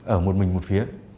ở một mình một phía